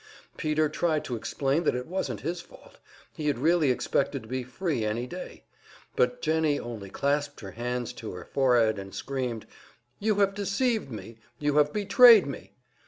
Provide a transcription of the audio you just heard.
Peter tried to explain that it wasn't his fault, he had really expected to be free any day. But Jennie only clasped her hands to her forehead and screamed: "You have deceived me! You have betrayed me!"